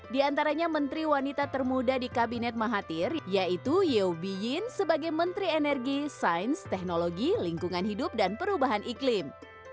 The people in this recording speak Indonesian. di antaranya menteri wanita termuda di kabinet mahathir yaitu yobi yin sebagai menteri energi sains teknologi lingkungan hidup dan perubahan iklim